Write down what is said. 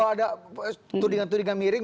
kalau ada tudingan tudingan miring